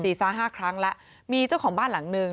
ห้าครั้งแล้วมีเจ้าของบ้านหลังหนึ่ง